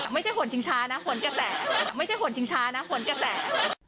ไม่ใช่หนชิงชานั้นหนกระแส